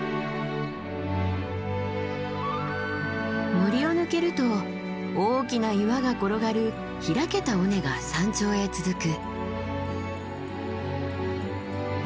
森を抜けると大きな岩が転がる開けた尾根が山頂へ続く。